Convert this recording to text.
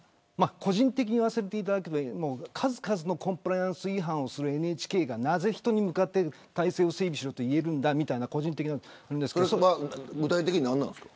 個人的に言わせていただけば数々のコンプライアンス違反をするＮＨＫがなぜ人に向かって体制を整備しろと言えるんだみたいな具体的に何なんですか。